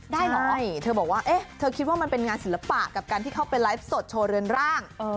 เหรอเธอบอกว่าเอ๊ะเธอคิดว่ามันเป็นงานศิลปะกับการที่เข้าไปไลฟ์สดโชว์เรือนร่าง